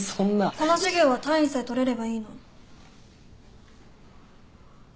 この授業は単位さえ取れればいいの。